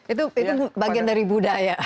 itu bagian dari budaya